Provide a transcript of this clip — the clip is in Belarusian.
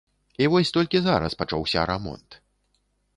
І вось толькі зараз пачаўся рамонт.